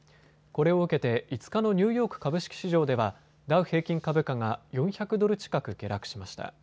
これを受けて５日のニューヨーク株式市場ではダウ平均株価が４００ドル近く下落しました。